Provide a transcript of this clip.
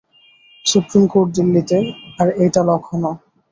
Supreme court দিল্লিতে, আর এইটা লখনও।